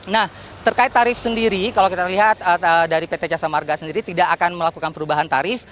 nah terkait tarif sendiri kalau kita lihat dari pt jasa marga sendiri tidak akan melakukan perubahan tarif